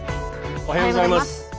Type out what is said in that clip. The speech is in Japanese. おはようございます。